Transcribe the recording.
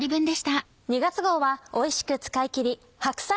２月号はおいしく使いきり。